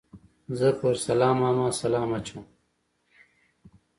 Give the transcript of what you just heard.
زه په سلام ماما سلام اچوم